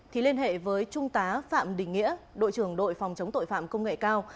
thì liên hệ với trung tá phạm đình nghĩa đội trưởng đội phòng chống tội phạm công nghệ cao